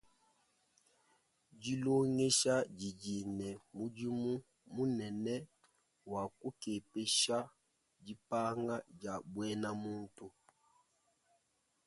Dilongesha didi ne mudimu munene wa kukepesha dipanga dia buena muntu.